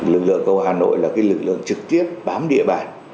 lực lượng của hà nội là cái lực lượng trực tiếp bám địa bàn